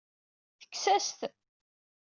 Tekkes-as-t.